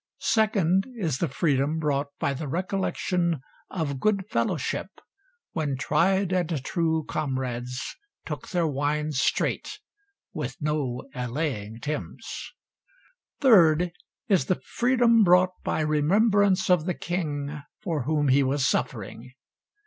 Second is the freedom brought by the recollection of good fellowship, when tried and true comrades took their wine straight "with no allaying Thames." Third is the freedom brought by remembrance of the king for whom he was suffering.